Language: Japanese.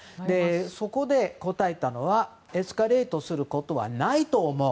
そこで答えたのはエスカレートすることはないと思う。